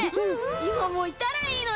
いまもいたらいいのに！